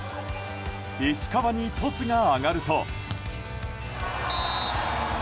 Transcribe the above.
石川にトスが上がると。